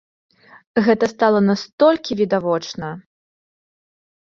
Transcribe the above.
Гэта стала настолькі відавочна!